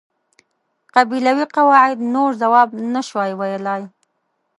قبیلوي قواعد نور ځواب نشوای ویلای.